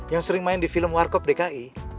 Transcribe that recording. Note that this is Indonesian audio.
yang sering main di film warkop dki